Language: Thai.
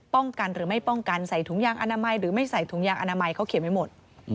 ป้องกันหรือไม่ป้องกันใส่ถุงยางอาณาหมายเขาเขียนไว้หมด